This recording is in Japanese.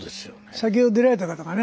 先ほど出られた方がね